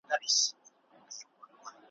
د پښتو ژبي چوپړ ته وقف کړی دی ,